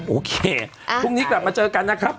โอเคพรุ่งนี้กลับมาเจอกันนะครับ